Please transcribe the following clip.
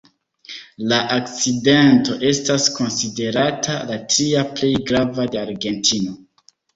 La akcidento estas konsiderata la tria plej grava de Argentino.